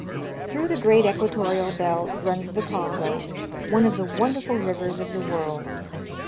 Through the great equatorial belt runs the Kongo, one of the wonderful rivers of the world.